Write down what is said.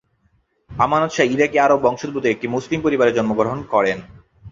আমানত শাহ ইরাকি আরব বংশোদ্ভূত একটি মুসলিম পরিবারে জন্মগ্রহণ করেন।